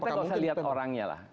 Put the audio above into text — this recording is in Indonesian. kita nggak usah lihat orangnya lah